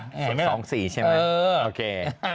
๒๔ใช่ไหมโอเค